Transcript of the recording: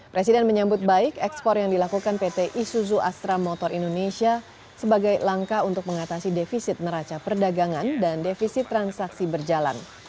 presiden menyambut baik ekspor yang dilakukan pt isuzu astra motor indonesia sebagai langkah untuk mengatasi defisit neraca perdagangan dan defisit transaksi berjalan